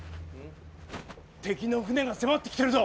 敵の船が迫ってきてるぞ！